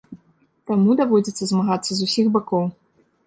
Таму даводзіцца змагацца з усіх бакоў.